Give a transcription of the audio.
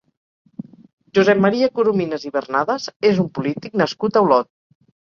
Josep Maria Corominas i Barnadas és un polític nascut a Olot.